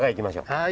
はい！